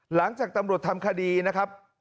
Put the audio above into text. หลังจากตำรวจทำคดีนะครับ